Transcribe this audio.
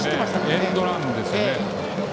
エンドランですね。